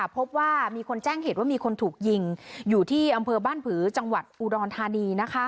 พบว่ามีคนแจ้งเหตุว่ามีคนถูกยิงอยู่ที่อำเภอบ้านผือจังหวัดอุดรธานี